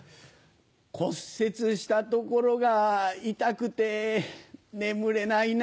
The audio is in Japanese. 骨折した所が痛くて眠れないな。